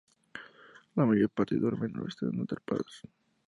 La mayor parte duermen o están atrapados.